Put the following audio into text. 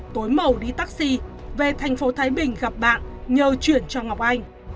tối màu đi taxi về thành phố thái bình gặp bạn nhờ chuyển cho ngọc anh